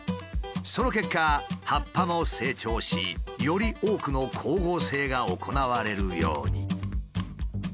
その結果葉っぱも成長しより多くの光合成が行われるように。